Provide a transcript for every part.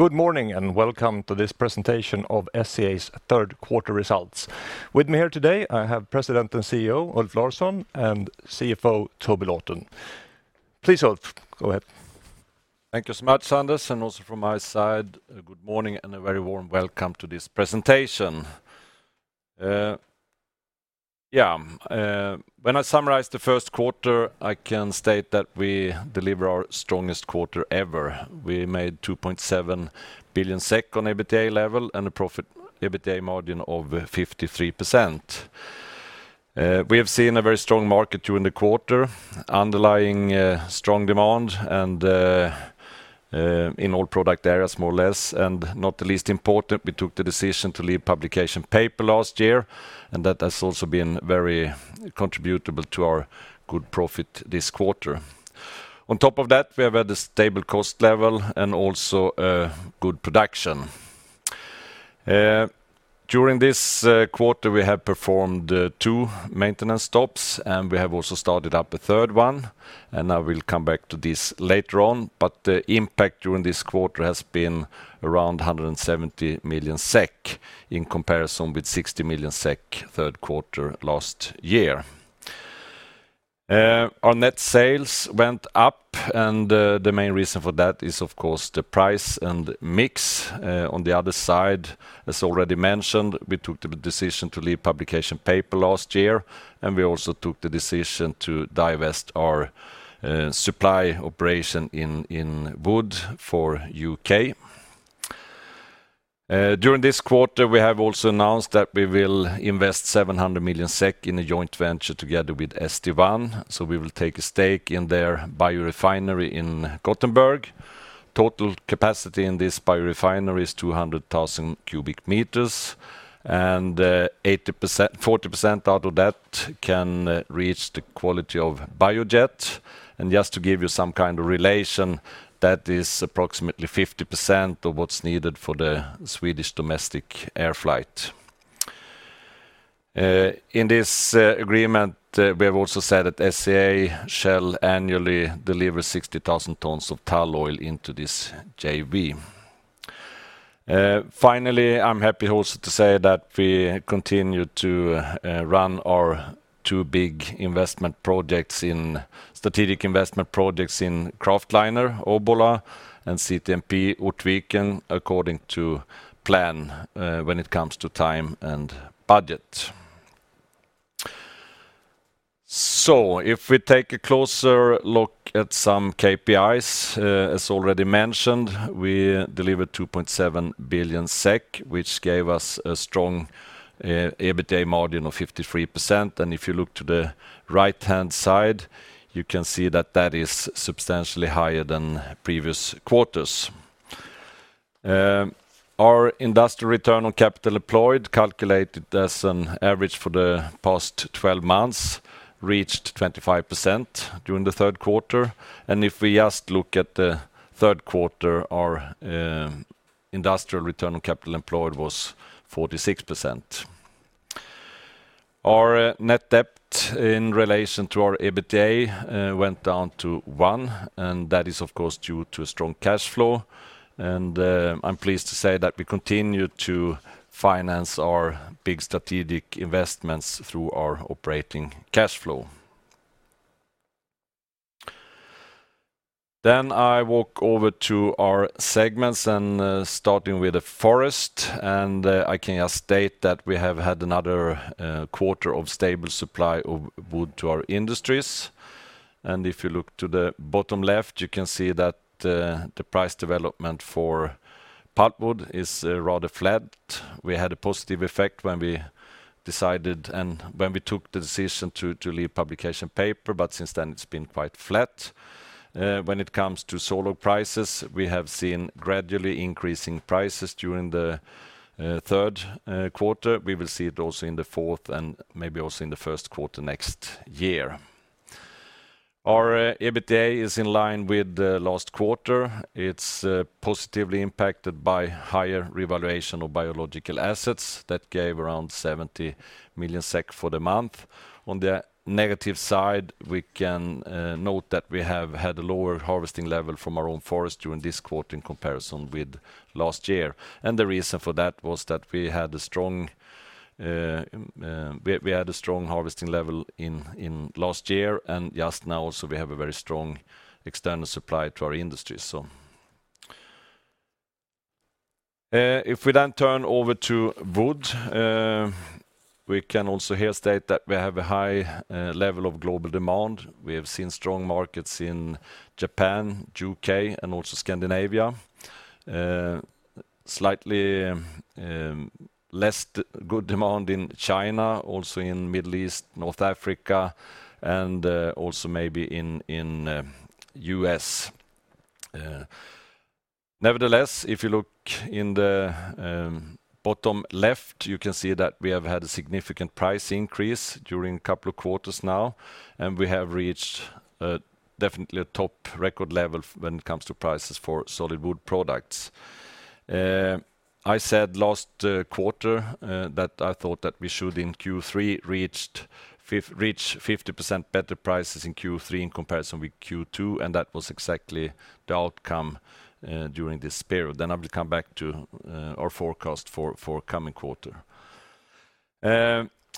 Good morning, and welcome to this presentation of SCA's third quarter results. With me here today, I have President and CEO Ulf Larsson and CFO Toby Lawton. Please, Ulf, go ahead. Thank you so much, Anders, and also from my side, good morning and a very warm welcome to this presentation. When I summarize the first quarter, I can state that we deliver our strongest quarter ever. We made 2.7 billion SEK on EBITDA level and a profit EBITDA margin of 53%. We have seen a very strong market during the quarter, underlying strong demand and in all product areas, more or less, and not the least important, we took the decision to leave publication paper last year, and that has also been very contributable to our good profit this quarter. On top of that, we have had a stable cost level and also good production. During this quarter, we have performed two maintenance stops, and we have also started up a third one, and I will come back to this later on. The impact during this quarter has been around 170 million SEK in comparison with 60 million SEK third quarter last year. Our net sales went up, and the main reason for that is, of course, the price and mix. On the other side, as already mentioned, we took the decision to leave publication paper last year, and we also took the decision to divest our supply operation in wood for U.K. During this quarter, we have also announced that we will invest 700 million SEK in a joint venture together with St1, so we will take a stake in their biorefinery in Gothenburg. Total capacity in this biorefinery is 200,000 cubic meters, and 80%-40% out of that can reach the quality of biojet. Just to give you some kind of relation, that is approximately 50% of what's needed for the Swedish domestic air flight. In this agreement, we have also said that SCA shall annually deliver 60,000 tons of tall oil into this JV. Finally, I'm happy also to say that we continue to run our two strategic investment projects in kraftliner Obbola and CTMP Ortviken according to plan, when it comes to time and budget. If we take a closer look at some KPIs, as already mentioned, we delivered 2.7 billion SEK, which gave us a strong EBITDA margin of 53%. If you look to the right-hand side, you can see that that is substantially higher than previous quarters. Our industrial return on capital employed, calculated as an average for the past 12 months, reached 25% during the third quarter. If we just look at the third quarter, our industrial return on capital employed was 46%. Our net debt in relation to our EBITDA went down to 1, and that is of course due to a strong cash flow. I'm pleased to say that we continue to finance our big strategic investments through our operating cash flow. I walk over to our segments, starting with the Forest. I can just state that we have had another quarter of stable supply of wood to our industries. If you look to the bottom left, you can see that the price development for pulpwood is rather flat. We had a positive effect when we decided and when we took the decision to leave publication paper, but since then it's been quite flat. When it comes to sawlog prices, we have seen gradually increasing prices during the third quarter. We will see it also in the fourth and maybe also in the first quarter next year. Our EBITDA is in line with the last quarter. It's positively impacted by higher revaluation of biological assets that gave around 70 million SEK for the month. On the negative side, we can note that we have had a lower harvesting level from our own forest during this quarter in comparison with last year. The reason for that was that we had a strong harvesting level in last year, and just now also we have a very strong external supply to our industry. If we then turn over to wood, we can also here state that we have a high level of global demand. We have seen strong markets in Japan, U.K., and also Scandinavia. We have seen slightly less good demand in China, also in Middle East, North Africa, and also maybe in U.S. Nevertheless, if you look in the bottom left, you can see that we have had a significant price increase during a couple of quarters now, and we have reached definitely a top record level when it comes to prices for solid wood products. I said last quarter that I thought that we should in Q3 reach 50% better prices in Q3 in comparison with Q2, and that was exactly the outcome during this period. I will come back to our forecast for coming quarter.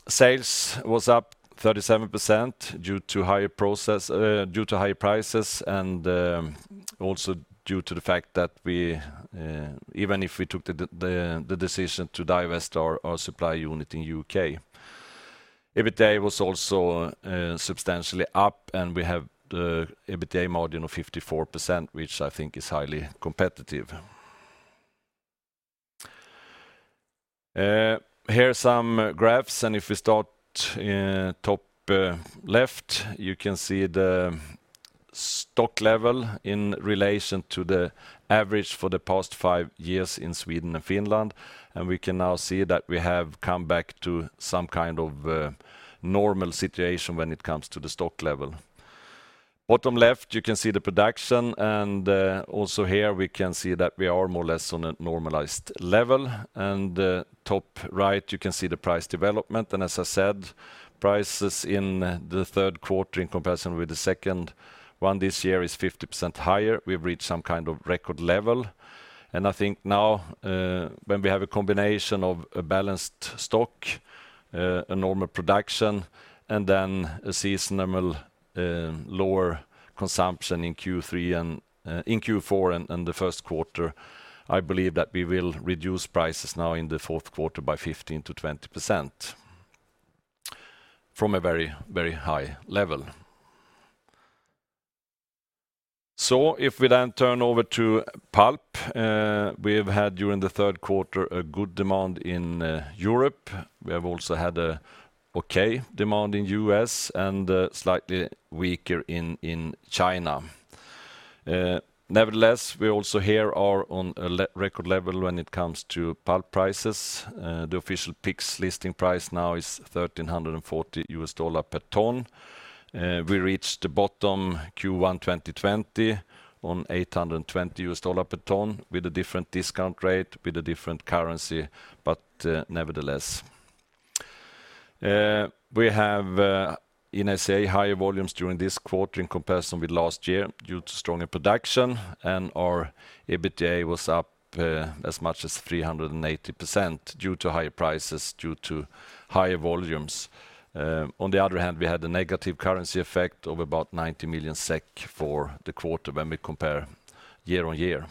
Sales was up 37% due to higher prices due to high prices and also due to the fact that we even if we took the decision to divest our supply unit in U.K. EBITDA was also substantially up, and we have EBITDA margin of 54%, which I think is highly competitive. Here are some graphs, and if we start top left, you can see the stock level in relation to the average for the past five years in Sweden and Finland. We can now see that we have come back to some kind of normal situation when it comes to the stock level. Bottom left, you can see the production, and also here we can see that we are more or less on a normalized level. Top right, you can see the price development. As I said, prices in the third quarter in comparison with the second one this year is 50% higher. We've reached some kind of record level. I think now, when we have a combination of a balanced stock, a normal production, and then a seasonal, lower consumption in Q3 and in Q4 and the first quarter, I believe that we will reduce prices now in the fourth quarter by 15%-20% from a very, very high level. If we then turn over to pulp, we've had during the third quarter a good demand in Europe. We have also had a okay demand in U.S. and slightly weaker in China. Nevertheless, we also here are on a record level when it comes to pulp prices. The official PIX listing price now is $1,340 per ton. We reached the bottom Q1 2020 on 820 US dollar per ton with a different discount rate, with a different currency, but nevertheless. We have in SCA higher volumes during this quarter in comparison with last year due to stronger production, and our EBITDA was up as much as 380% due to higher prices, due to higher volumes. On the other hand, we had a negative currency effect of about 90 million SEK for the quarter when we compare year-over-year.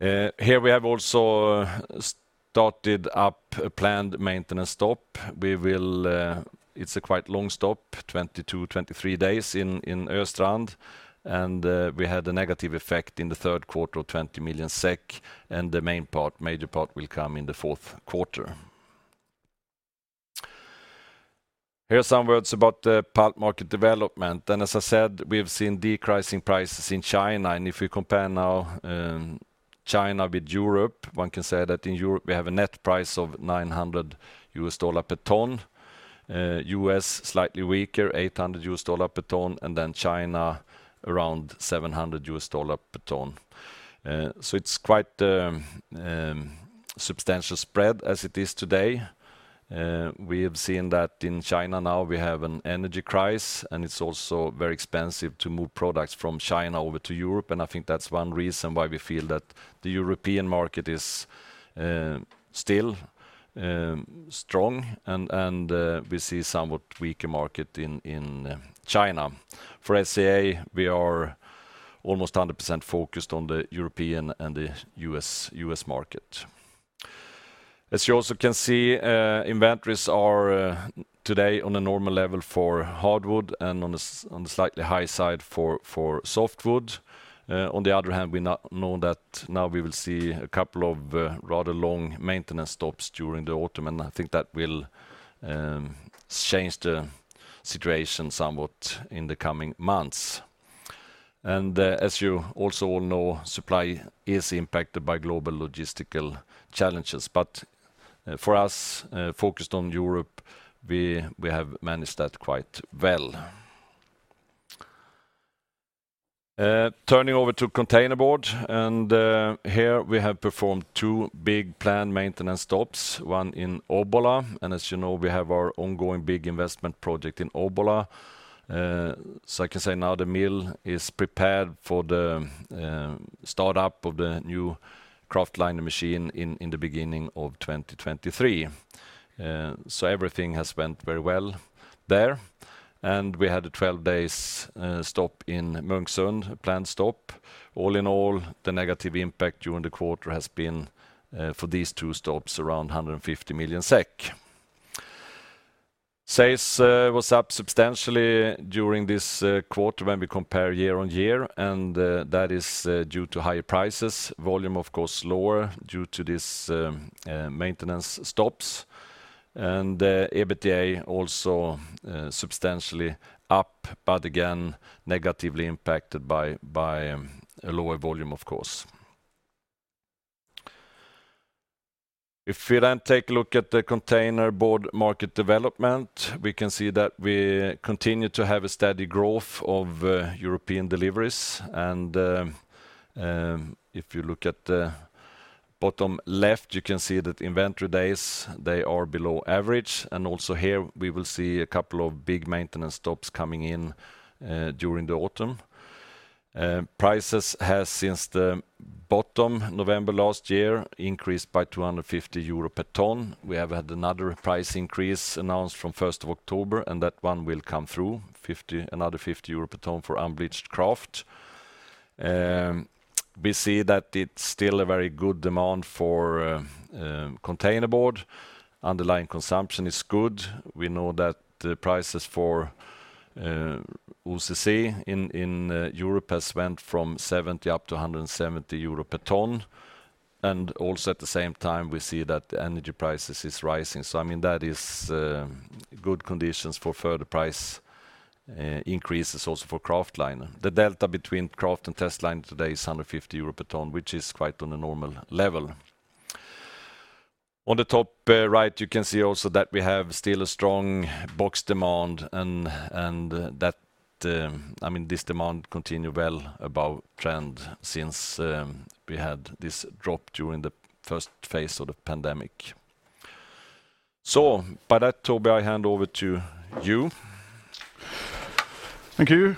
Here we have also started up a planned maintenance stop. It is a quite long stop, 22-23 days in Östrand, and we had a negative effect in the third quarter of 20 million SEK, and the main part, major part will come in the fourth quarter. Here are some words about the pulp market development. As I said, we've seen decreasing prices in China. If we compare now China with Europe, one can say that in Europe we have a net price of $900 per ton. The US slightly weaker, $800 per ton, and then China around $700 per ton. So it's quite substantial spread as it is today. We have seen that in China now we have an energy crisis, and it's also very expensive to move products from China over to Europe. I think that's one reason why we feel that the European market is still strong and we see somewhat weaker market in China. For SCA, we are almost 100% focused on the European and the US market. As you also can see, inventories are today on a normal level for hardwood and on a slightly high side for softwood. On the other hand, we now know that we will see a couple of rather long maintenance stops during the autumn, and I think that will change the situation somewhat in the coming months. As you also all know, supply is impacted by global logistical challenges. For us, focused on Europe, we have managed that quite well. Turning over to containerboard, here we have performed two big planned maintenance stops, one in Obbola, and as you know, we have our ongoing big investment project in Obbola. I can say now the mill is prepared for the startup of the new kraftliner machine in the beginning of 2023. Everything has went very well there. We had a 12-day stop in Munksund, a planned stop. All in all, the negative impact during the quarter has been for these two stops around 150 million SEK. Sales was up substantially during this quarter when we compare year-on-year, and that is due to higher prices. Volume, of course, lower due to this maintenance stops. EBITDA also substantially up, but again, negatively impacted by a lower volume, of course. If you then take a look at the containerboard market development, we can see that we continue to have a steady growth of European deliveries. If you look at the bottom left, you can see that inventory days, they are below average. Also here we will see a couple of big maintenance stops coming in during the autumn. Prices has since the bottom November last year increased by 250 euro per ton. We have had another price increase announced from first of October, and that one will come through another 50 euro per ton for unbleached kraft. We see that it's still a very good demand for containerboard. Underlying consumption is good. We know that the prices for OCC in Europe has went from 70 up to 170 euro per ton. Also at the same time, we see that the energy prices is rising. I mean, that is, good conditions for further price increases also for kraftliner. The delta between kraftliner and testliner today is 150 euro per ton, which is quite on a normal level. On the top, right, you can see also that we have still a strong box demand and that, I mean, this demand continue well above trend since we had this drop during the first phase of the pandemic. By that, Toby, I hand over to you. Thank you.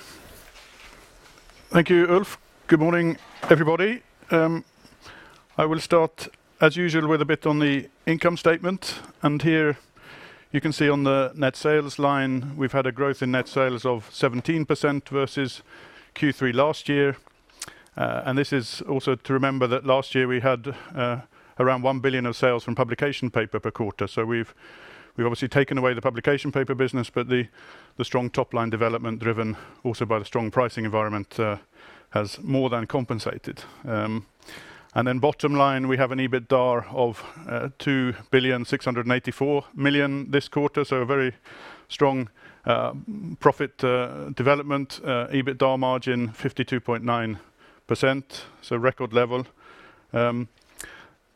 Thank you, Ulf. Good morning, everybody. I will start as usual with a bit on the income statement, and here you can see on the net sales line, we've had a growth in net sales of 17% versus Q3 last year. This is also to remember that last year we had around 1 billion of sales from publication paper per quarter. We've obviously taken away the publication paper business, but the strong top-line development driven also by the strong pricing environment has more than compensated. We have an EBITDA of 2,684 million this quarter, so a very strong profit development, EBITDA margin 52.9%, so record level.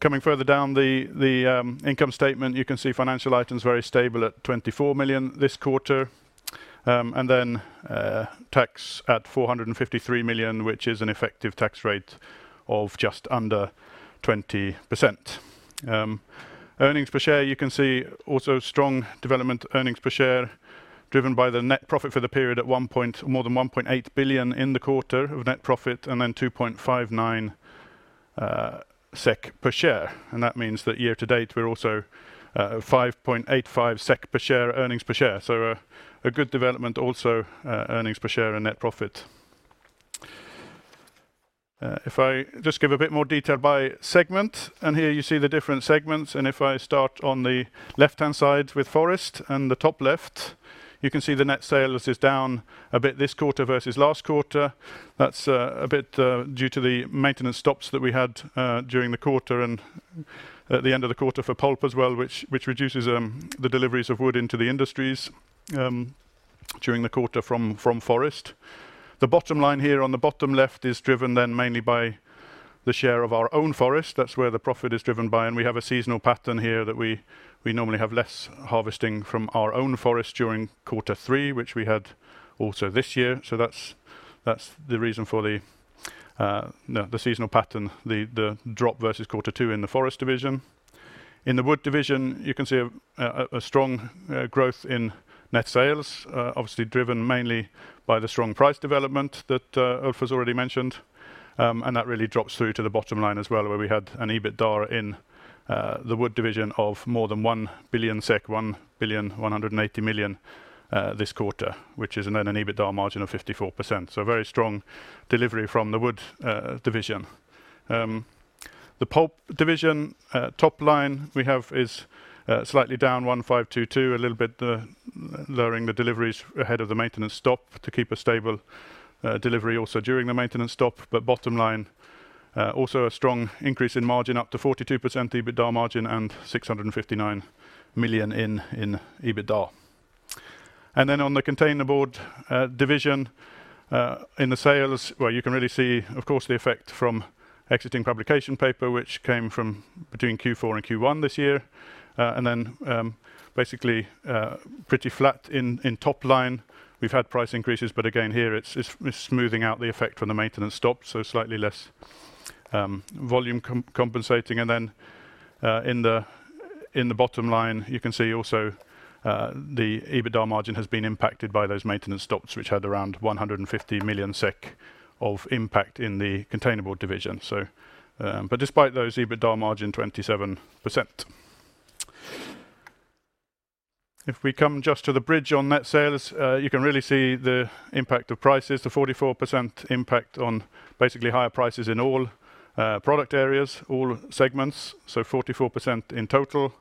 Coming further down the income statement, you can see financial items very stable at 24 million this quarter. Then tax at 453 million, which is an effective tax rate of just under 20%. Earnings per share, you can see also strong development earnings per share driven by the net profit for the period at more than 1.8 billion in the quarter of net profit and then 2.59 SEK per share. That means that year to date, we're also 5.85 SEK per share earnings per share. A good development also earnings per share and net profit. If I just give a bit more detail by segment, and here you see the different segments, and if I start on the left-hand side with Forest and the top left, you can see the net sales is down a bit this quarter versus last quarter. That's a bit due to the maintenance stops that we had during the quarter and at the end of the quarter for pulp as well, which reduces the deliveries of wood into the industries during the quarter from Forest. The bottom line here on the bottom left is driven then mainly by the share of our own forest. That's where the profit is driven by, and we have a seasonal pattern here that we normally have less harvesting from our own forest during quarter three, which we had also this year. That's the reason for the seasonal pattern, the drop versus quarter two in the Forest division. In the Wood division, you can see a strong growth in net sales, obviously driven mainly by the strong price development that Ulf has already mentioned. That really drops through to the bottom line as well, where we had an EBITDA in the Wood division of more than 1 billion SEK, 1.18 billion this quarter, which is then an EBITDA margin of 54%. A very strong delivery from the Wood division. The Pulp division top line we have is slightly down 1,522, a little bit lowering the deliveries ahead of the maintenance stop to keep a stable delivery also during the maintenance stop. Bottom line, also a strong increase in margin up to 42% EBITDA margin and 659 million in EBITDA. On the containerboard division, in the sales, well, you can really see, of course, the effect from exiting publication paper, which came from between Q4 and Q1 this year. Basically, pretty flat in top line. We've had price increases, but again, here it's smoothing out the effect from the maintenance stop, so slightly less volume compensating. In the bottom line, you can see also the EBITDA margin has been impacted by those maintenance stops, which had around 150 million SEK of impact in the containerboard division. But despite those, EBITDA margin 27%. If we come just to the bridge on net sales, you can really see the impact of prices, the 44% impact on basically higher prices in all product areas, all segments, so 44% in total.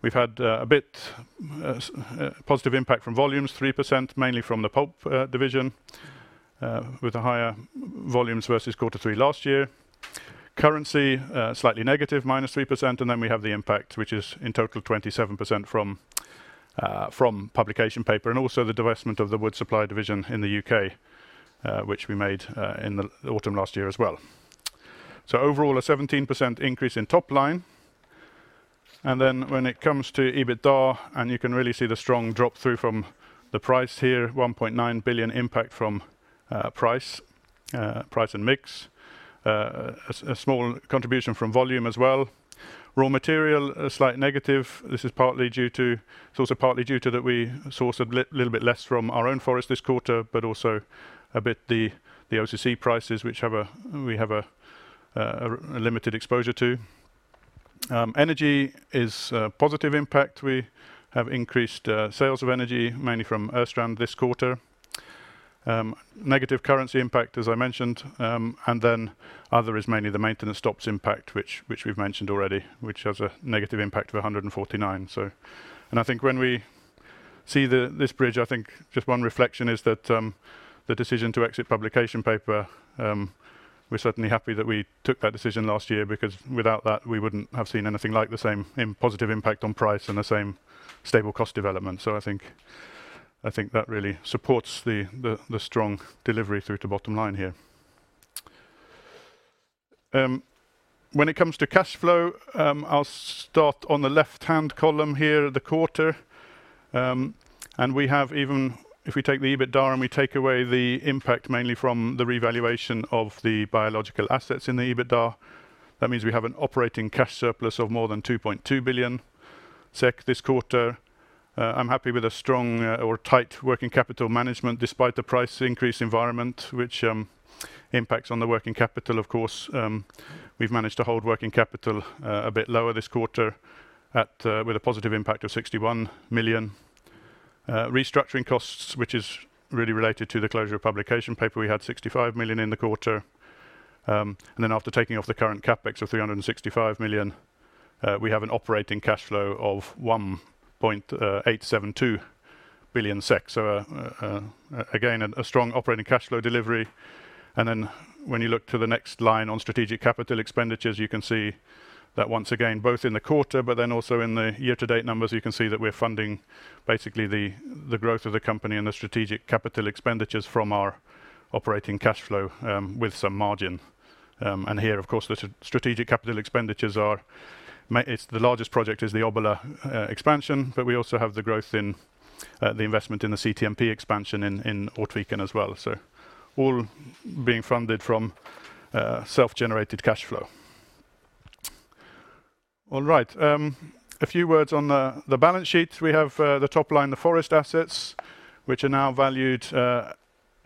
We've had a bit positive impact from volumes, 3%, mainly from the Pulp division with the higher volumes versus quarter three last year. Currency slightly negative, -3%, and then we have the impact, which is in total 27% from publication paper and also the divestment of the wood supply division in the U.K., which we made in the autumn last year as well. Overall, a 17% increase in top line. When it comes to EBITDA, you can really see the strong drop-through from the price here, 1.9 billion impact from price and mix. A small contribution from volume as well. Raw material, a slight negative. This is partly due to that we source a little bit less from our own forest this quarter, but also the OCC prices to which we have a limited exposure. Energy is a positive impact. We have increased sales of energy mainly from Östrand this quarter. Negative currency impact, as I mentioned, and other is mainly the maintenance stops impact, which we've mentioned already, which has a negative impact of 149. I think when we see this bridge, just one reflection is that the decision to exit publication paper, we're certainly happy that we took that decision last year because without that, we wouldn't have seen anything like the same positive impact on price and the same stable cost development. I think that really supports the strong delivery through to bottom line here. When it comes to cash flow, I'll start on the left-hand column here, the quarter. Even if we take the EBITDA and we take away the impact mainly from the revaluation of the biological assets in the EBITDA, that means we have an operating cash surplus of more than 2.2 billion SEK this quarter. I'm happy with a strong or tight working capital management despite the price increase environment which impacts on the working capital, of course. We've managed to hold working capital a bit lower this quarter with a positive impact of 61 million. Restructuring costs, which is really related to the closure of publication paper, we had 65 million in the quarter. After taking off the current CapEx of 365 million, we have an operating cash flow of 1.872 billion SEK. Again, a strong operating cash flow delivery. Then when you look to the next line on strategic capital expenditures, you can see that once again, both in the quarter, but then also in the year to date numbers, you can see that we're funding basically the growth of the company and the strategic capital expenditures from our operating cash flow with some margin. Here, of course, the strategic capital expenditures are, it's the largest project is the Obbola expansion, but we also have the growth in the investment in the CTMP expansion in Ortviken as well. All being funded from self-generated cash flow. A few words on the balance sheet. We have the top line, the forest assets, which are now valued to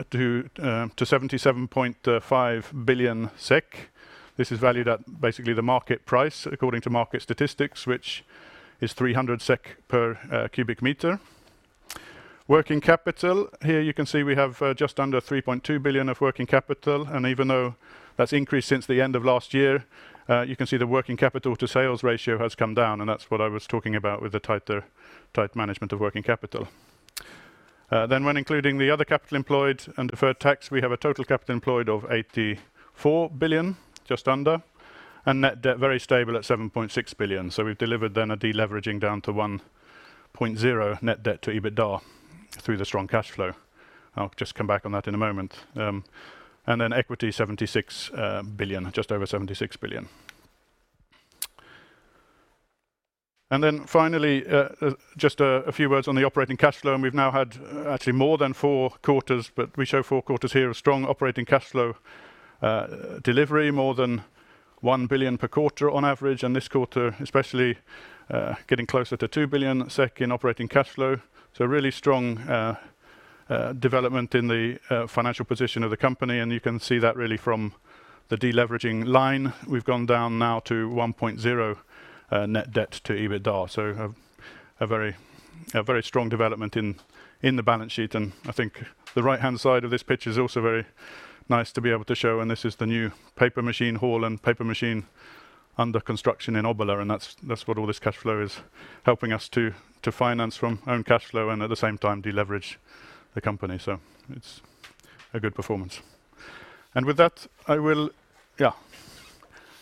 77.5 billion SEK. This is valued at basically the market price according to market statistics, which is 300 SEK per cubic meter. Working capital. Here you can see we have just under 3.2 billion of working capital. Even though that's increased since the end of last year, you can see the working capital to sales ratio has come down, and that's what I was talking about with the tighter management of working capital. Then when including the other capital employed and deferred tax, we have a total capital employed of just under SEK 84 billion. Net debt, very stable at 7.6 billion. We've delivered a deleveraging down to 1.0 net debt to EBITDA through the strong cash flow. I'll just come back on that in a moment. Then equity, just over 76 billion. Then finally, just a few words on the operating cash flow. We've now had actually more than four quarters, but we show four quarters here of strong operating cash flow delivery, more than 1 billion per quarter on average. This quarter, especially, getting closer to 2 billion SEK in operating cash flow. Really strong development in the financial position of the company. You can see that really from the deleveraging line. We've gone down now to 1.0 net debt to EBITDA. A very strong development in the balance sheet. I think the right-hand side of this picture is also very nice to be able to show. This is the new paper machine hall and paper machine under construction in Obbola. That's what all this cash flow is helping us to finance from own cash flow and at the same time, deleverage the company. So it's a good performance. With that, I will, yeah,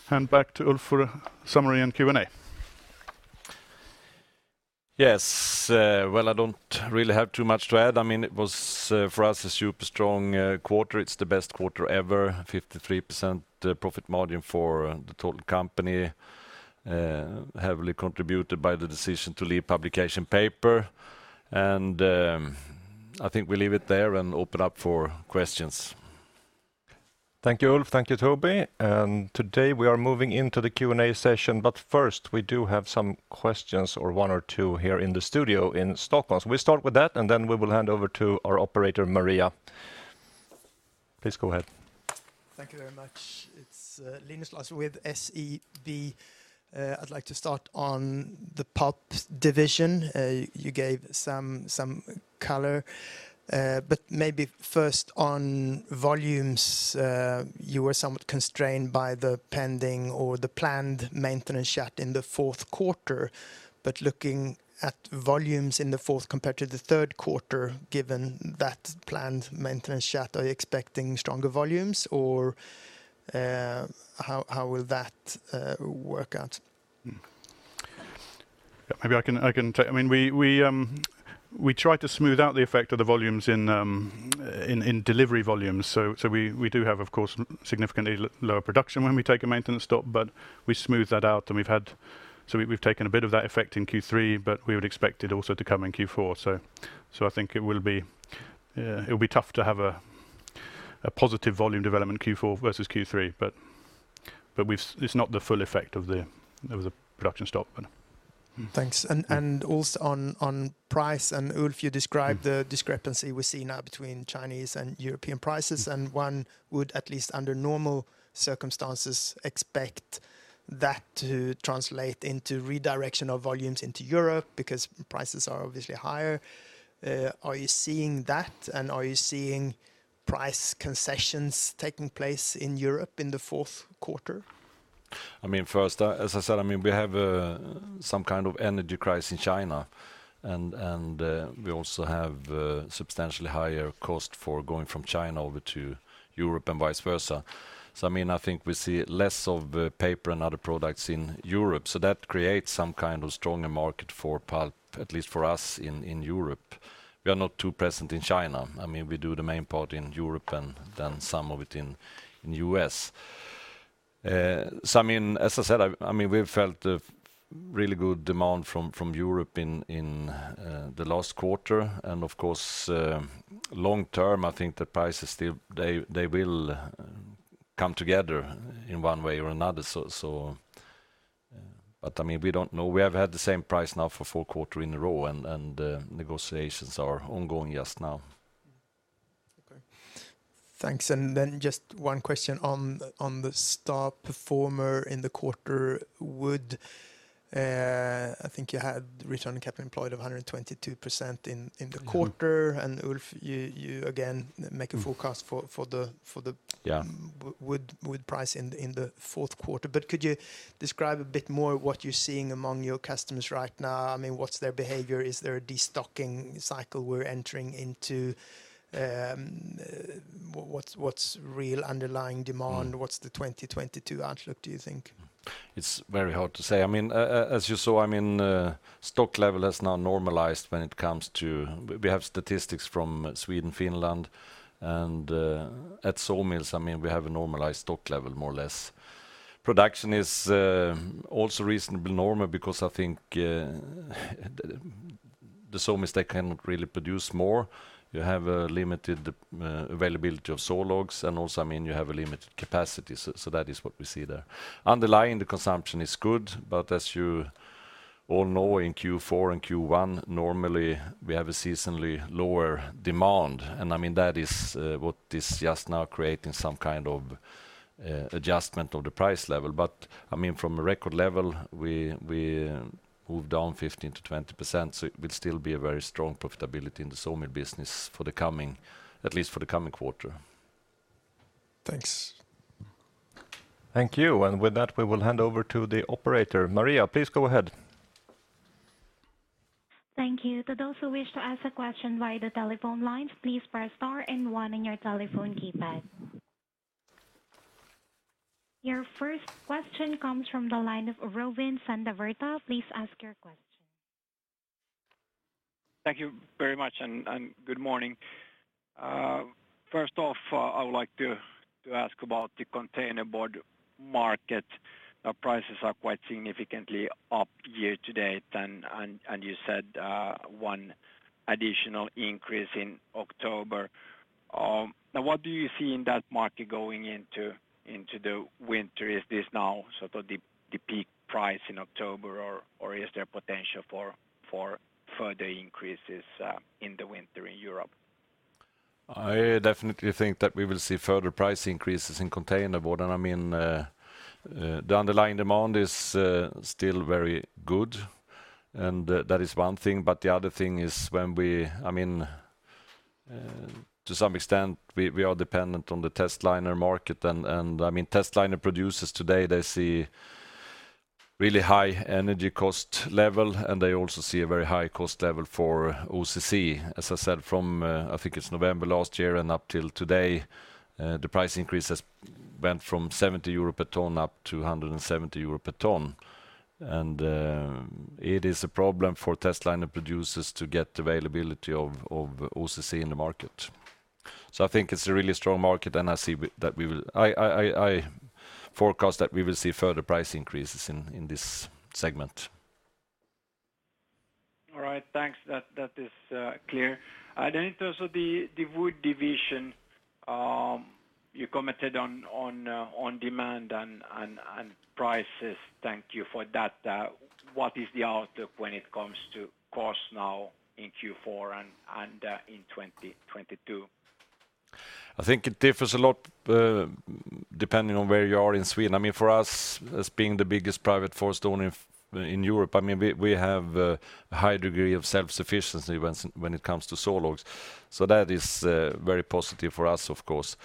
hand back to Ulf for a summary and Q&A. Yes. Well, I don't really have too much to add. I mean, it was, for us, a super strong quarter. It's the best quarter ever. 53% profit margin for the total company, heavily contributed by the decision to leave publication paper. I think we leave it there and open up for questions. Thank you, Ulf. Thank you, Toby. Today, we are moving into the Q&A session. First, we do have some questions or one or two here in the studio in Stockholm. We start with that, and then we will hand over to our operator, Maria. Please go ahead. Thank you very much. It's Linus Larsson with SEB. I'd like to start on the pulp division. You gave some color, but maybe first on volumes, you were somewhat constrained by the pending or the planned maintenance shut in the fourth quarter. Looking at volumes in the fourth compared to the third quarter, given that planned maintenance shut, are you expecting stronger volumes? Or, how will that work out? Maybe I can tell. I mean, we try to smooth out the effect of the volumes in delivery volumes. We do have, of course, significantly lower production when we take a maintenance stop, but we smooth that out. We've taken a bit of that effect in Q3, but we would expect it also to come in Q4. I think it will be tough to have a positive volume development Q4 versus Q3. It's not the full effect of the production stop. Thanks. Also on price, Ulf, you described the discrepancy we see now between Chinese and European prices, and one would at least under normal circumstances expect that to translate into redirection of volumes into Europe because prices are obviously higher. Are you seeing that, and are you seeing price concessions taking place in Europe in the fourth quarter? I mean, first, as I said, I mean, we have some kind of energy crisis in China and we also have substantially higher cost for going from China over to Europe and vice versa. I mean, I think we see less of paper and other products in Europe, so that creates some kind of stronger market for pulp, at least for us in Europe. We are not too present in China. I mean, we do the main part in Europe and then some of it in the U.S. So I mean, as I said, I mean, we've felt a really good demand from Europe in the last quarter and of course, long term, I think the prices still, they will come together in one way or another. So. I mean, we don't know. We have had the same price now for four quarters in a row, and negotiations are ongoing just now. Okay. Thanks. Just one question on the star performer in the quarter, wood. I think you had return on capital employed of 122% in the quarter. Ulf, you again make a forecast for the. Yeah. Wood price in the fourth quarter. Could you describe a bit more what you're seeing among your customers right now? I mean, what's their behavior? Is there a destocking cycle we're entering into? What's real underlying demand? What's the 2022 outlook, do you think? It's very hard to say. I mean, as you saw, I mean, stock level has now normalized when it comes to. We have statistics from Sweden, Finland, and at sawmills, I mean, we have a normalized stock level, more or less. Production is also reasonably normal because I think the sawmills, they cannot really produce more. You have a limited availability of saw logs, and also, I mean, you have a limited capacity. So that is what we see there. Underlying, the consumption is good, but as you all know, in Q4 and Q1, normally we have a seasonally lower demand. I mean, that is what is just now creating some kind of adjustment of the price level. I mean, from a record level, we move down 15%-20%, so it will still be a very strong profitability in the sawmill business for the coming, at least for the coming quarter. Thanks. Thank you. With that, we will hand over to the operator. Maria, please go ahead. Thank you. To those who wish to ask a question via the telephone lines, please press star and one on your telephone keypad. Your first question comes from the line of Robin Santavirta. Please ask your question. Thank you very much and good morning. First off, I would like to ask about the containerboard market. Prices are quite significantly up year-to-date and you said one additional increase in October. Now what do you see in that market going into the winter? Is this now sort of the peak price in October or is there potential for further increases in the winter in Europe? I definitely think that we will see further price increases in containerboard. I mean, the underlying demand is still very good, and that is one thing. The other thing is, to some extent, we are dependent on the testliner market and I mean, testliner producers today, they see really high energy cost level, and they also see a very high cost level for OCC. As I said, from, I think it's November last year and up till today, the price increase has went from 70 euro per ton up to 170 euro per ton. It is a problem for testliner producers to get availability of OCC in the market. I think it's a really strong market, and I see that we will. I forecast that we will see further price increases in this segment. All right. Thanks. That is clear. In terms of the wood division, you commented on demand and prices. Thank you for that. What is the outlook when it comes to cost now in Q4 and in 2022? I think it differs a lot, depending on where you are in Sweden. I mean, for us, as being the biggest private forest owner in Europe, I mean, we have a high degree of self-sufficiency when it comes to saw logs. That is very positive for us, of course.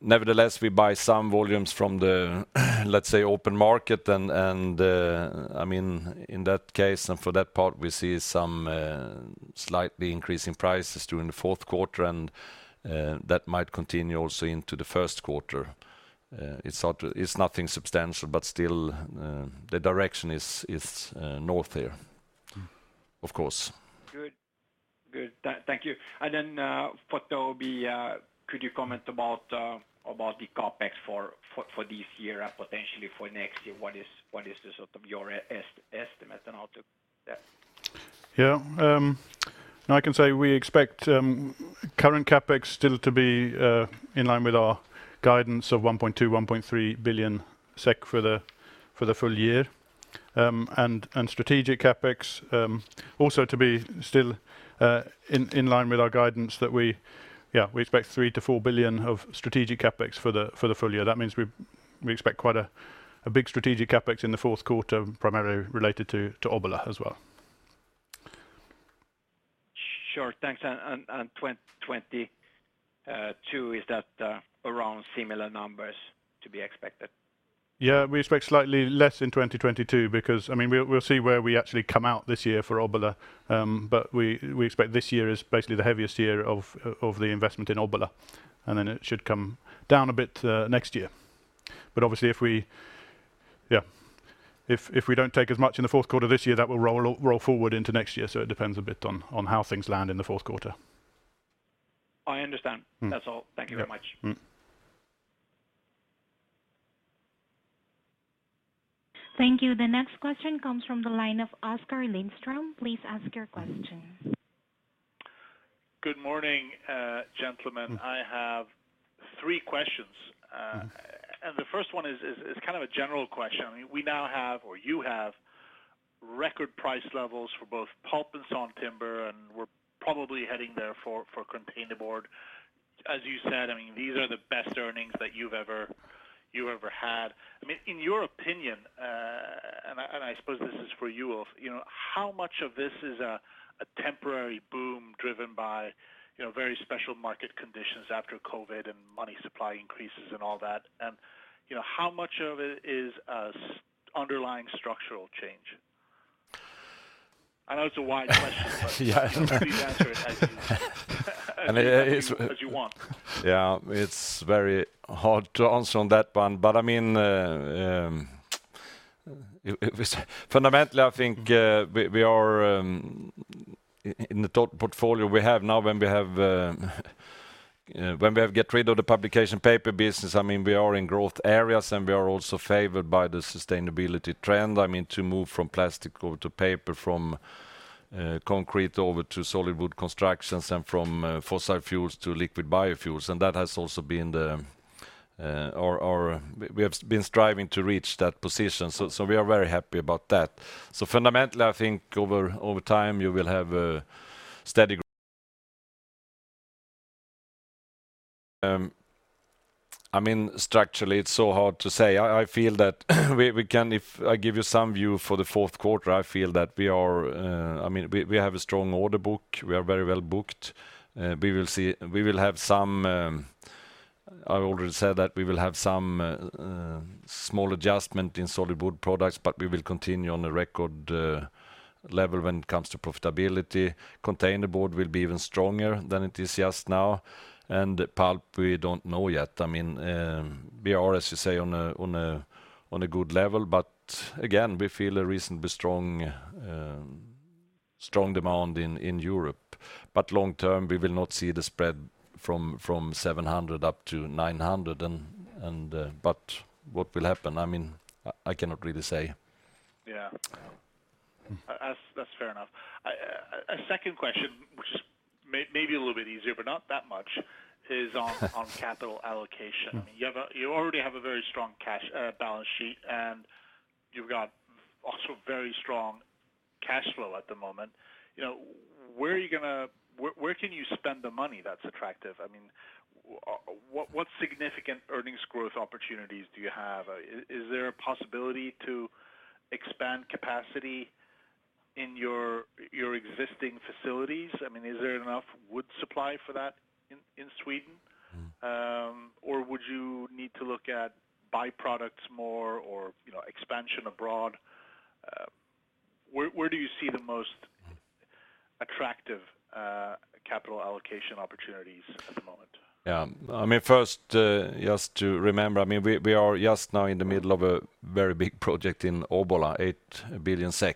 Nevertheless, we buy some volumes from the, let's say, open market. I mean, in that case and for that part, we see some slight increase in prices during the fourth quarter, and that might continue also into the first quarter. It's nothing substantial, but still, the direction is north here. Of course. Good. Thank you. For Toby, could you comment about the CapEx for this year and potentially for next year? What is the sort of your estimate and how to. Yeah. No, I can say we expect current CapEx still to be in line with our guidance of 1.2 billion SEK- 1.3 billion for the full year. Strategic CapEx also to be still in line with our guidance. We expect 3 billion- 4 billion of strategic CapEx for the full year. That means we expect quite a big strategic CapEx in the fourth quarter, primarily related to Obbola as well. Sure. Thanks. 2022, is that around similar numbers to be expected? Yeah. We expect slightly less in 2022 because I mean, we'll see where we actually come out this year for Obbola. We expect this year is basically the heaviest year of the investment in Obbola, and then it should come down a bit next year. Obviously if we don't take as much in the fourth quarter this year, that will roll forward into next year, so it depends a bit on how things land in the fourth quarter. I understand. Mm. That's all. Yeah. Thank you very much. Mm. Thank you. The next question comes from the line of Oskar Lindström. Please ask your question. Good morning, gentlemen. Mm. I have three questions. Mm. The first one is kind of a general question. We now have or you have record price levels for both pulp and sawn timber, and we're probably heading there for containerboard. As you said, I mean, these are the best earnings that you ever had. I mean, in your opinion, and I suppose this is for you, Ulf, you know, how much of this is a temporary boom driven by, you know, very special market conditions after COVID and money supply increases and all that? You know, how much of it is underlying structural change? I know it's a wide question, but. Yeah, I know. Please answer it as you want. Yeah. It's very hard to answer on that one. I mean, fundamentally, I think we are in the total portfolio we have now, when we have gotten rid of the publication paper business. I mean, we are in growth areas, and we are also favored by the sustainability trend, I mean, to move from plastic over to paper, from concrete over to solid wood constructions and from fossil fuels to liquid biofuels. And that has also been our. We have been striving to reach that position. We are very happy about that. Fundamentally, I think over time you will have a steady, I mean, structurally, it's so hard to say. I feel that we can. If I give you some view for the fourth quarter, I feel that we are, I mean, we have a strong order book. We are very well booked. We will have some. I already said that we will have some small adjustment in solid wood products, but we will continue on the record level when it comes to profitability. Containerboard will be even stronger than it is just now. Pulp, we don't know yet. I mean, we are, as you say, on a good level, but again, we feel a reasonably strong demand in Europe. Long term, we will not see the spread from 700 up to 900, but what will happen? I mean, I cannot really say. Yeah. Mm. That's fair enough. A second question, which is maybe a little bit easier but not that much, is on capital allocation. Mm. You already have a very strong cash balance sheet, and you've got also very strong cash flow at the moment. You know, where are you gonna? Where can you spend the money that's attractive? I mean, what significant earnings growth opportunities do you have? Is there a possibility to expand capacity in your existing facilities? I mean, is there enough wood supply for that in Sweden? Mm. Would you need to look at byproducts more or, you know, expansion abroad? Where do you see the most? Mm. Attractive, capital allocation opportunities at the moment? Yeah. I mean, first, just to remember, I mean, we are just now in the middle of a very big project in Obbola, SEK 8 billion. I mean,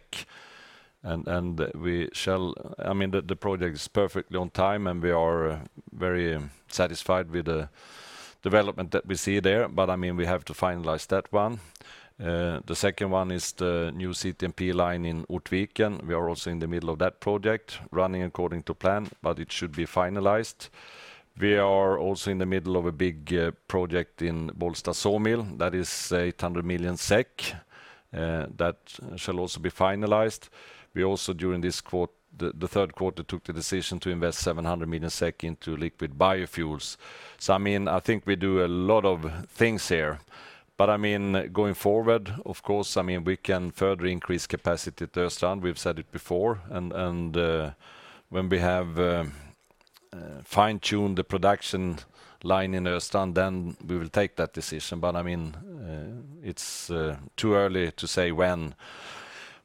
the project is perfectly on time, and we are very satisfied with the development that we see there. I mean, we have to finalize that one. The second one is the new CTMP line in Ortviken. We are also in the middle of that project, running according to plan, but it should be finalized. We are also in the middle of a big project in Bollsta Sawmill that is 800 million SEK, that shall also be finalized. We also, during the third quarter, took the decision to invest 700 million SEK into liquid biofuels. I mean, I think we do a lot of things here. I mean, going forward, of course, I mean, we can further increase capacity at Östrand. We've said it before. When we have fine-tune the production line in Östrand, then we will take that decision. I mean, it's too early to say when.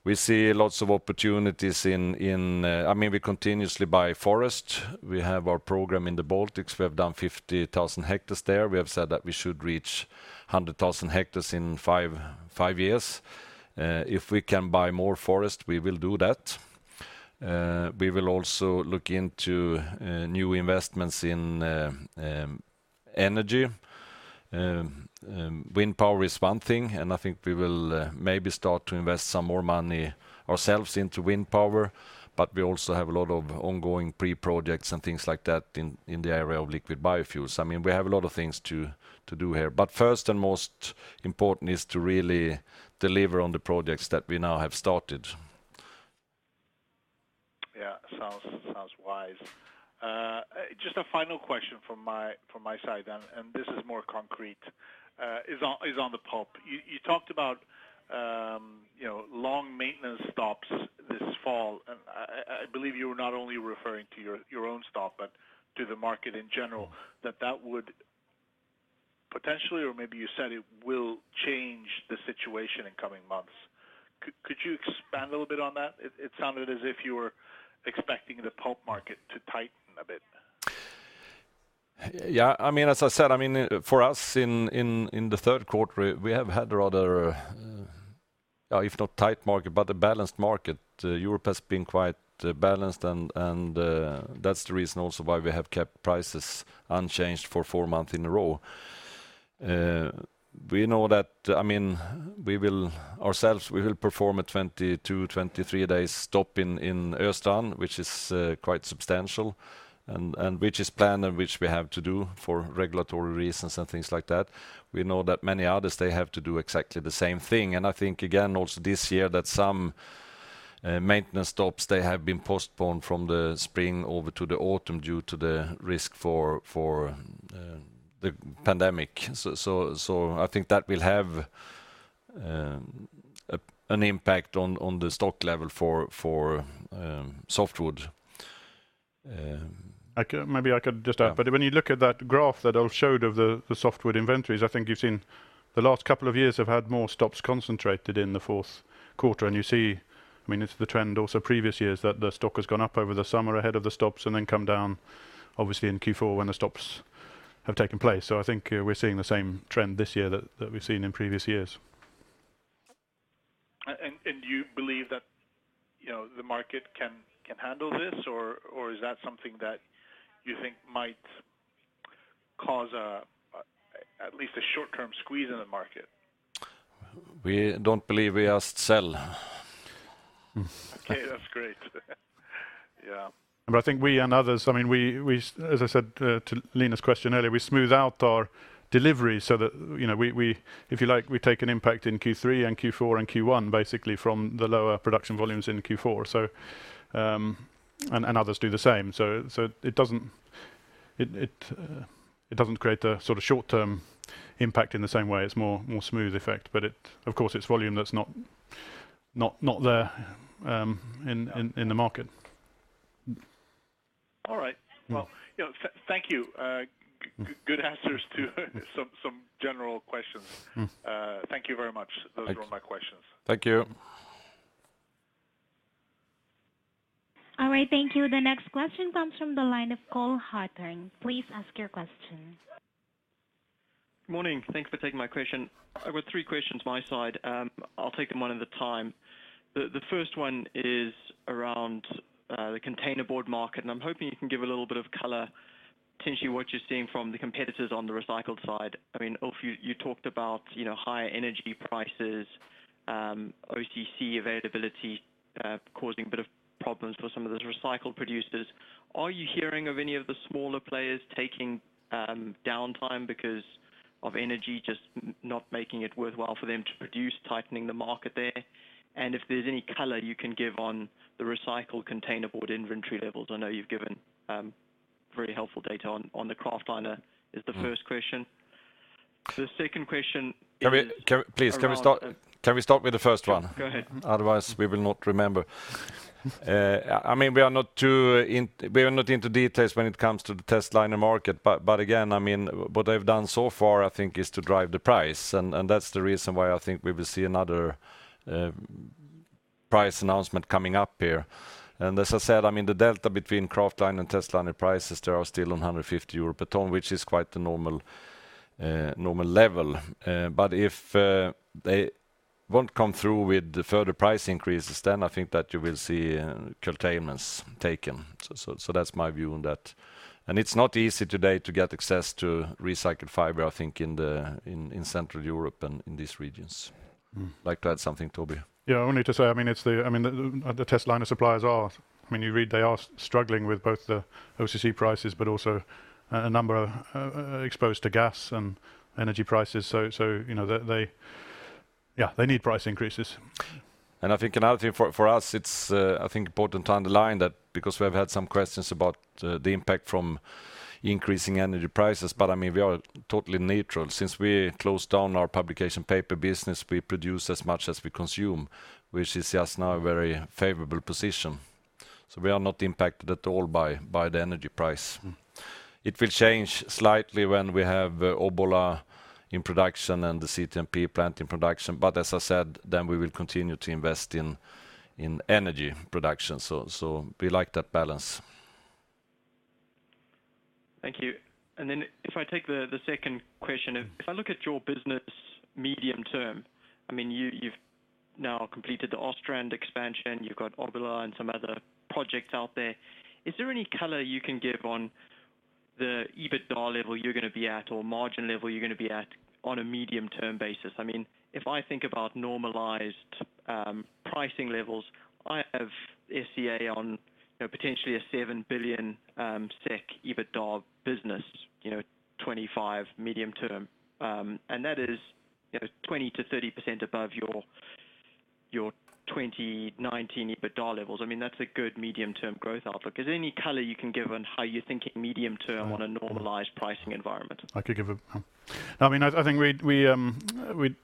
We see lots of opportunities. I mean, we continuously buy forest. We have our program in the Baltics. We have done 50,000 hectares there. We have said that we should reach 100,000 hectares in five years. If we can buy more forest, we will do that. We will also look into new investments in energy. Wind power is one thing, and I think we will maybe start to invest some more money ourselves into wind power. We also have a lot of ongoing pre-projects and things like that in the area of liquid biofuels. I mean, we have a lot of things to do here. First and most important is to really deliver on the projects that we now have started. Yeah. Sounds wise. Just a final question from my side, and this is more concrete, is on the pulp. You talked about, you know, long maintenance stops this fall. I believe you were not only referring to your own stop, but to the market in general, that would potentially, or maybe you said it will change the situation in coming months. Could you expand a little bit on that? It sounded as if you were expecting the pulp market to tighten a bit. Yeah. I mean, as I said, I mean, for us, in the third quarter, we have had rather, if not tight market, but a balanced market. Europe has been quite balanced and, that's the reason also why we have kept prices unchanged for 4 months in a row. We know that. I mean, we will ourselves perform a 22-23 days stop in Östrand, which is quite substantial and which is planned and which we have to do for regulatory reasons and things like that. We know that many others, they have to do exactly the same thing. I think, again, also this year that some maintenance stops, they have been postponed from the spring over to the autumn due to the risk for the pandemic. I think that will have an impact on the stock level for softwood. Maybe I could just add. Yeah. When you look at that graph that I've showed of the softwood inventories, I think you've seen the last couple of years have had more stops concentrated in the fourth quarter. You see, I mean, it's the trend also previous years that the stock has gone up over the summer ahead of the stops and then come down obviously in Q4 when the stops have taken place. I think, we're seeing the same trend this year that we've seen in previous years. Do you believe that, you know, the market can handle this? Is that something that you think might cause a, at least a short-term squeeze in the market? We don't believe we just sell. Okay. That's great. Yeah. I think we and others, I mean, we. As I said, to Linus's question earlier, we smooth out our delivery so that, you know, if you like, we take an impact in Q3 and Q4 and Q1, basically from the lower production volumes in Q4. And others do the same. It doesn't create a sort of short-term impact in the same way. It's more smooth effect. Of course, it's volume that's not there in the market. All right. Yeah. Well, you know, thank you. Good answers to some general questions. Mm. Thank you very much. Thanks. Those were all my questions. Thank you. All right. Thank you. The next question comes from the line of Cole Hathorn. Please ask your question. Morning. Thanks for taking my question. I've got three questions my side. I'll take them one at a time. The first one is around the containerboard market, and I'm hoping you can give a little bit of color potentially what you're seeing from the competitors on the recycled side. I mean, Ulf, you talked about, you know, higher energy prices, OCC availability, causing a bit of problems for some of those recycled producers. Are you hearing of any of the smaller players taking downtime because of energy just not making it worthwhile for them to produce, tightening the market there? And if there's any color you can give on the recycled containerboard inventory levels. I know you've given very helpful data on the kraftliner, is the first question. Mm. The second question is around. Can we please start. Yeah. Can we start with the first one? Go ahead. Mm-hmm. Otherwise we will not remember. I mean, we are not into details when it comes to the testliner market. But again, I mean, what they've done so far, I think is to drive the price, and that's the reason why I think we will see another price announcement coming up here. As I said, I mean, the delta between kraftliner and testliner prices, they are still on 150 euro per ton, which is quite the normal level. But if they won't come through with the further price increases, then I think that you will see curtailments taken. That's my view on that. It's not easy today to get access to recycled fiber, I think, in Central Europe and in these regions. Mm. Like to add something, Toby? Yeah, only to say, I mean, it's the testliner suppliers are, I mean, you read they are struggling with both the OCC prices but also a number of exposed to gas and energy prices. So, you know, they. Yeah, they need price increases. I think another thing for us, it's important to underline that because we have had some questions about the impact from Increasing energy prices, but I mean, we are totally neutral. Since we closed down our publication paper business, we produce as much as we consume, which is just now a very favorable position. We are not impacted at all by the energy price. It will change slightly when we have Obbola in production and the CTMP plant in production. As I said, then we will continue to invest in energy production. We like that balance. Thank you. Then if I take the second question, if I look at your business medium term, I mean, you've now completed the Östrand expansion, you've got Obbola and some other projects out there. Is there any color you can give on the EBITDA level you're going to be at, or margin level you're going to be at on a medium term basis? I mean, if I think about normalized pricing levels, I have SCA on, you know, potentially a 7 billion SEK EBITDA business, you know, 2025 medium term. That is, you know, 20%-30% above your 2019 EBITDA levels. I mean, that's a good medium term growth outlook. Is there any color you can give on how you're thinking medium term on a normalized pricing environment? I mean, I think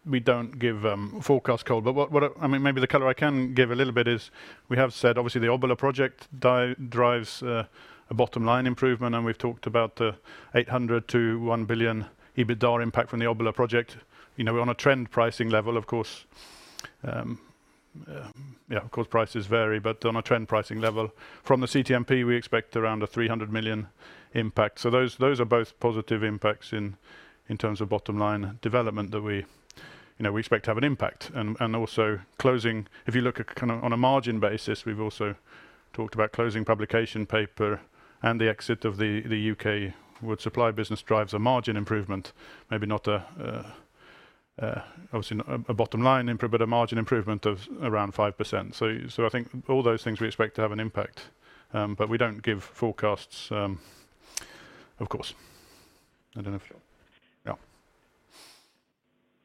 we don't give forecast call, but what I mean, maybe the color I can give a little bit is we have said obviously the Obbola project drives a bottom line improvement, and we've talked about 800 million-1 billion EBITDA impact from the Obbola project. You know, we're on a trend pricing level, of course. Yeah, of course, prices vary, but on a trend pricing level from the CTMP, we expect around a 300 million impact. Those are both positive impacts in terms of bottom line development that we, you know, we expect to have an impact. Also closing, if you look at kind of on a margin basis, we've also talked about closing publication paper and the exit of the UK wood supply business drives a margin improvement. Maybe not obviously not a bottom line improve, but a margin improvement of around 5%. I think all those things we expect to have an impact, but we don't give forecasts, of course. I don't know if yeah.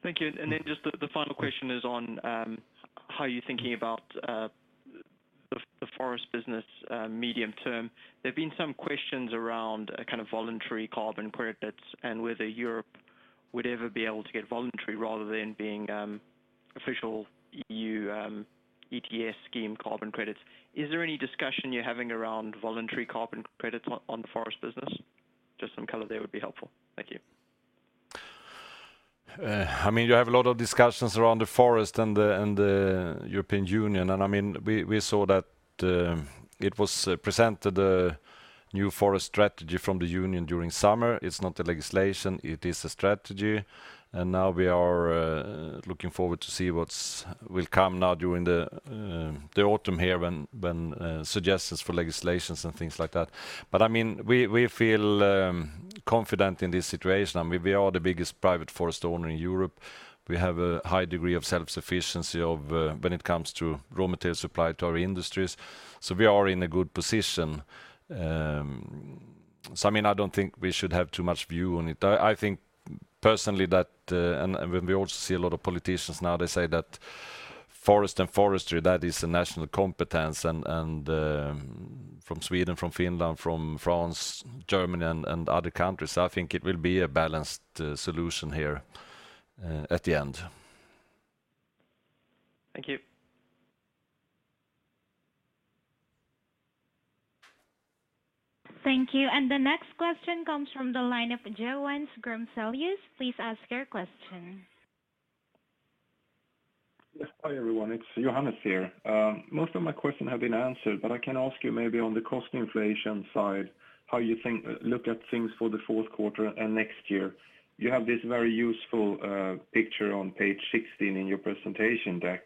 Thank you. Just the final question is on how you're thinking about the forest business medium term. There have been some questions around a kind of voluntary carbon credits and whether Europe would ever be able to get voluntary rather than being official EU ETS scheme carbon credits. Is there any discussion you're having around voluntary carbon credits on the forest business? Just some color there would be helpful. Thank you. I mean, you have a lot of discussions around the forest and the European Union. I mean, we saw that it was presented a new forest strategy from the union during summer. It's not a legislation, it is a strategy. Now we are looking forward to see what will come now during the autumn here when suggestions for legislation and things like that. I mean, we feel confident in this situation. I mean, we are the biggest private forest owner in Europe. We have a high degree of self-sufficiency of when it comes to raw material supply to our industries. We are in a good position. I mean, I don't think we should have too much view on it. I think personally that when we also see a lot of politicians now, they say that forest and forestry, that is a national competence and from Sweden, from Finland, from France, Germany and other countries. I think it will be a balanced solution here at the end. Thank you. Thank you. The next question comes from the line of Johannes Grunselius. Please ask your question. Yes. Hi, everyone. It's Johannes here. Most of my question have been answered, but I can ask you maybe on the cost inflation side, how you look at things for the fourth quarter and next year. You have this very useful picture on page 16 in your presentation deck,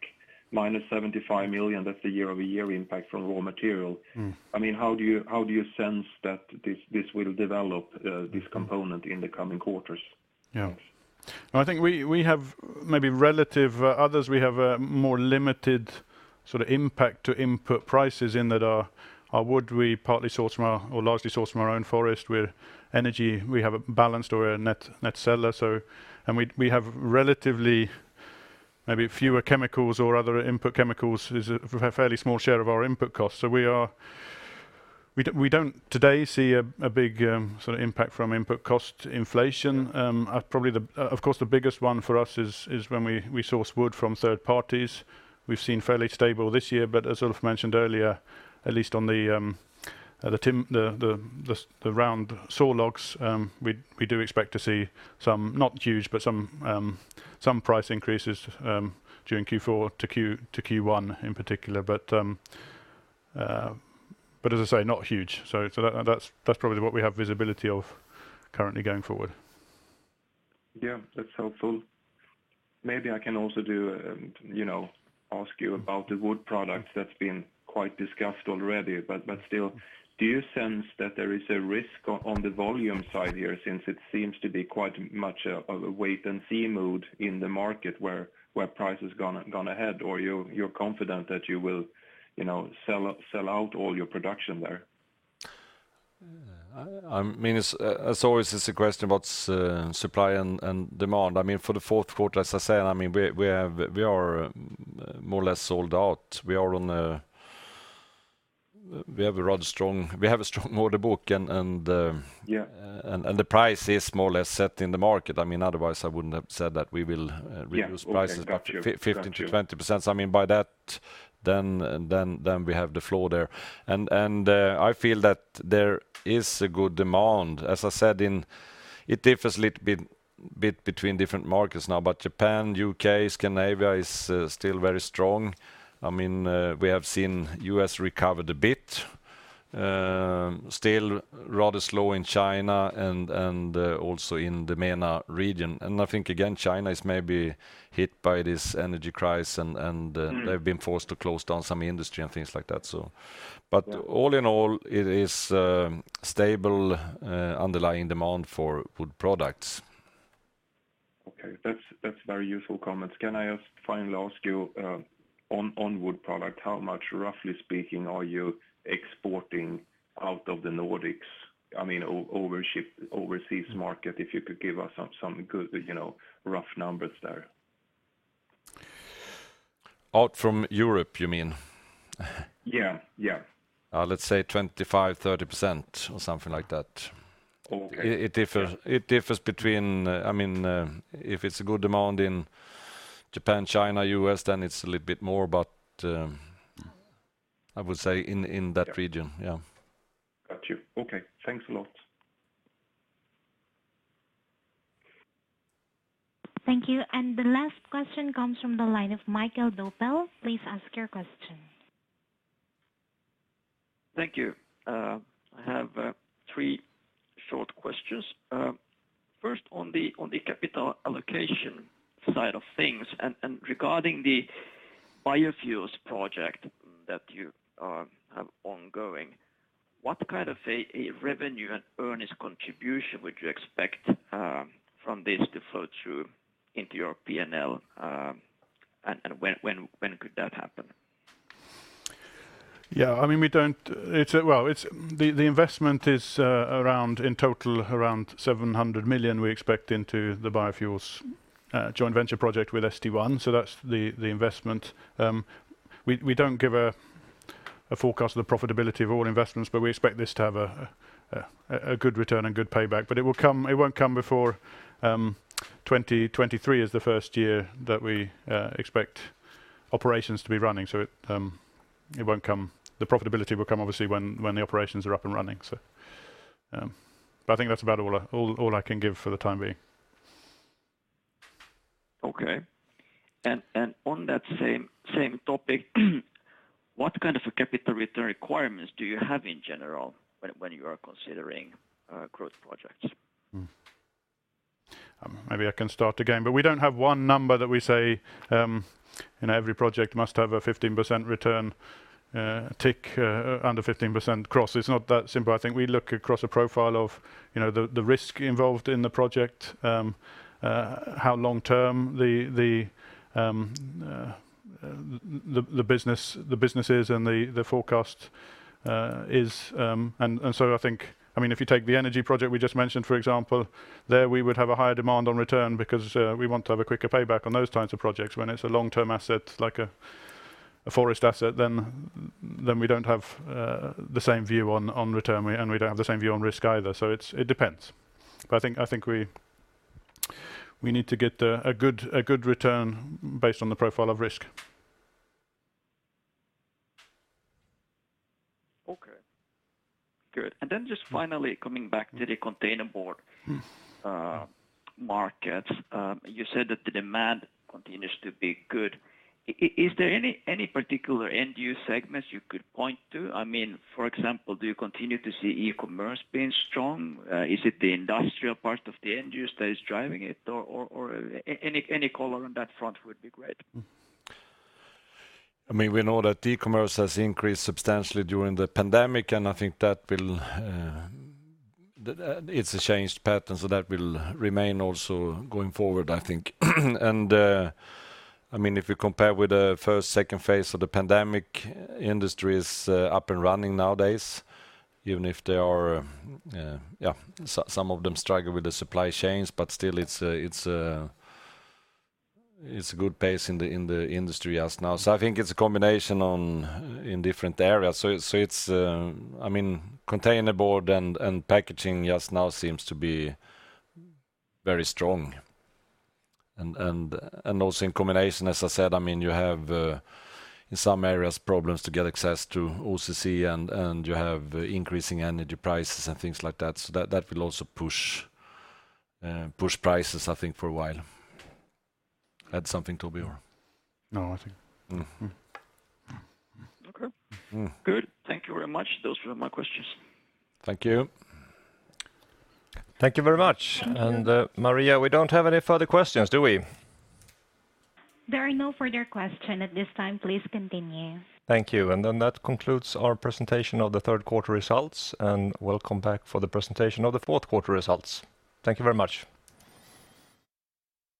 -75 million. That's the year-over-year impact from raw material. Mm. I mean, how do you sense that this will develop, this component in the coming quarters? I think we have maybe relative to others a more limited sort of impact to input prices in that our wood we largely source from our own forest, where energy we have a net seller. We have relatively maybe fewer chemicals or other input chemicals is a fairly small share of our input costs. We don't today see a big sort of impact from input cost inflation. Probably, of course, the biggest one for us is when we source wood from third parties. We've seen fairly stable this year, but as Ulf mentioned earlier, at least on the round saw logs, we do expect to see some, not huge, but some price increases during Q4 to Q1 in particular. As I say, not huge. That's probably what we have visibility of currently going forward. Yeah, that's helpful. Maybe I can also, you know, ask you about the wood products that's been quite discussed already. Still, do you sense that there is a risk on the volume side here, since it seems to be quite much a wait and see mood in the market where price has gone ahead? Or you're confident that you will, you know, sell out all your production there? I mean, as always, it's a question about supply and demand. I mean, for the fourth quarter, as I said, I mean, we are more or less sold out. We are on a We have a strong order book and. Yeah. The price is more or less set in the market. I mean, otherwise, I wouldn't have said that we will. Yeah. Okay. Got you. Reduce prices by 15%-20%. I mean by that, we have the floor there. I feel that there is a good demand. As I said, it differs a little bit between different markets now, but Japan, U.K., Scandinavia is still very strong. I mean, we have seen U.S. recover a bit. Still rather slow in China and also in the MENA region. I think again, China is maybe hit by this energy crisis. Mm. They've been forced to close down some industry and things like that, so. Yeah. All in all, it is stable underlying demand for wood products. Okay. That's very useful comments. Can I just finally ask you, on wood product, how much, roughly speaking, are you exporting out of the Nordics? I mean, overseas market, if you could give us some good, you know, rough numbers there. Out from Europe, you mean? Yeah, yeah. Let's say 25%-30% or something like that. Okay. It differs between, I mean, if it's good demand in Japan, China, U.S., then it's a little bit more. I would say in that region. Yeah. Yeah. Got you. Okay. Thanks a lot. Thank you. The last question comes from the line of Michael Doppel. Please ask your question. Thank you. I have three short questions. First on the capital allocation side of things, and regarding the biofuels project that you have ongoing, what kind of a revenue and EBITDA contribution would you expect from this to flow through into your P&L? And when could that happen? I mean, well, the investment is around, in total, around 700 million we expect into the biofuels joint venture project with St1. That's the investment. We don't give a forecast of the profitability of all investments, but we expect this to have a good return and good payback. It won't come before 2023 is the first year that we expect operations to be running. It won't come. The profitability will come obviously when the operations are up and running. I think that's about all I can give for the time being. Okay. On that same topic, what kind of a capital return requirements do you have in general when you are considering growth projects? We don't have one number that we say, you know, every project must have a 15% return. It's not that simple. I think we look across a profile of, you know, the risk involved in the project, how long-term the business is and the forecast is. I mean, if you take the energy project we just mentioned, for example, there we would have a higher demand on return because we want to have a quicker payback on those types of projects. When it's a long-term asset, like a forest asset, then we don't have the same view on return, and we don't have the same view on risk either. It depends. I think we need to get a good return based on the profile of risk. Okay. Good. Just finally coming back to the containerboard. Mm. Market, you said that the demand continues to be good. Is there any particular end use segments you could point to? I mean, for example, do you continue to see e-commerce being strong? Is it the industrial part of the end use that is driving it? Or any color on that front would be great. I mean, we know that e-commerce has increased substantially during the pandemic, and I think that it's a changed pattern, so that will remain also going forward, I think. I mean, if you compare with the first, second phase of the pandemic, industry is up and running nowadays, even if some of them struggle with the supply chains, but still it's a good pace in the industry as now. I think it's a combination in different areas. I mean, containerboard and packaging just now seems to be very strong. Also in combination, as I said, I mean, you have in some areas problems to get access to OCC and you have increasing energy prices and things like that. That will also push prices, I think, for a while. Add something, Toby, or? No, I think. Mm-hmm. Okay. Mm. Good. Thank you very much. Those were my questions. Thank you. Thank you very much. Thank you. Maria, we don't have any further questions, do we? There are no further questions at this time. Please continue. Thank you. That concludes our presentation of the third quarter results, and welcome back for the presentation of the fourth quarter results. Thank you very much.